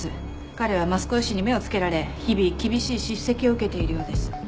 彼は益子医師に目を付けられ日々厳しい叱責を受けているようです。